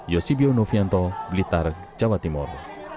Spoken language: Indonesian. yosibio novianto blitar jawa timur